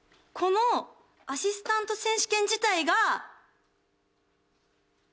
このアシスタント選手権自体が。